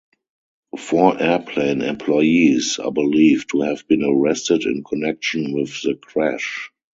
Four airline employees are believed to have been arrested in connection with the crash.